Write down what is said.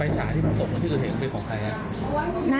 อ๋อไฟฉายที่พูดกันเป็นของคนร้ายค่ะ